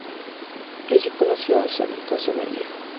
Allí conoció a san Josemaría.